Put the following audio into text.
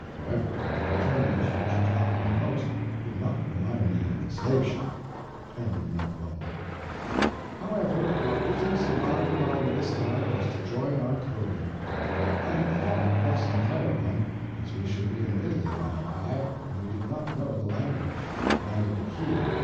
However, the Turners which attracted me most did not remind me of the Slave Ship. However, our business in Baden Baden this time, was to join our courier. I had thought it best to hire one, as we should be in Italy, by and by, and we did not know the language. Neither did he.